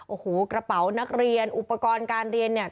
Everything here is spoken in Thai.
โอ้โหกระเป๋านักเรียนอุปกรณ์การเรียนเนี่ย